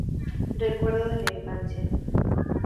Recuerdos de Infancia.